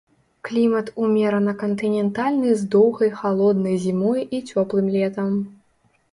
Клімат умерана кантынентальны з доўгай халоднай зімой і цёплым летам.